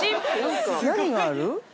◆何がある？